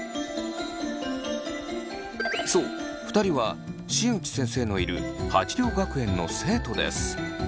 そう２人は新内先生のいる鉢涼学園の生徒です。